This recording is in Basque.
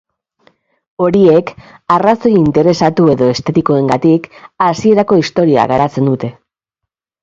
Horiek, arrazoi interesatu edo estetikoengatik, hasierako istorioa garatzen dute.